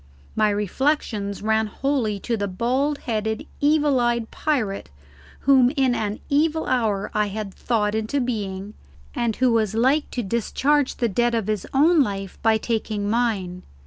My reflections ran wholly to the bald headed evil eyed pirate whom in an evil hour I had thawed into being, and who was like to discharge the debt of his own life by taking mine.